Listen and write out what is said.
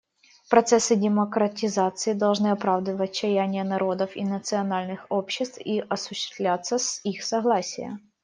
Процессы демократизации должны оправдывать чаяния народов и национальных обществ и осуществляться с их согласия.